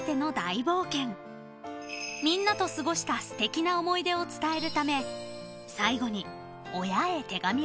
［みんなと過ごしたすてきな思い出を伝えるため最後に］